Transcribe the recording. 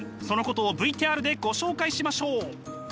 そのことをＶＴＲでご紹介しましょう！